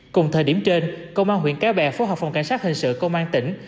cùng thời điểm trên công an huyện cá bè phố học phòng cảnh sát hình sự công an tỉnh